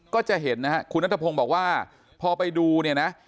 ก็จะเห็นนะฮะคุณนัทพงศ์บอกว่าพอไปดูเนี่ยนะ